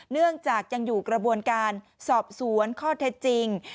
เนื่องจากยังอยู่กระบวนการสอบสวนข้อเท็จจริง